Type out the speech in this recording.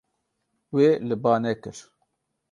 Wê li ba nekir.